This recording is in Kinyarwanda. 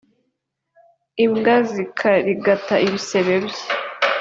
imbwa zikarigata ibisebe bye